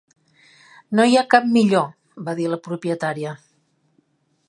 "No hi ha cap millor", va dir la propietària.